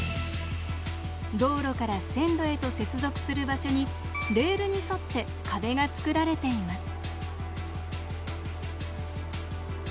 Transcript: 道路から線路へと接続する場所にレールに沿って壁が作られています。